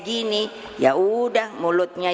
gini ya udah mulutnya